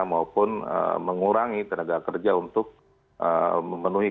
maupun mengurangi tenaga kerja untuk memenuhi